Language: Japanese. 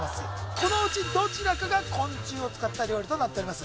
このうちどちらかが昆虫を使った料理となっております